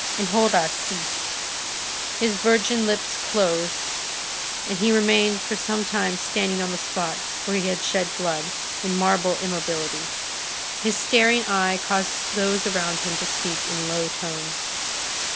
Enjolras ceased. His virgin lips closed; and he remained for some time standing on the spot where he had shed blood, in marble immobility. His staring eye caused those about him to speak in low tones.